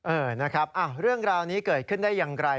เออนะครับเรื่องราวนี้เกิดขึ้นได้อย่างไร